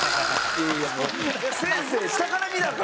先生下から見なア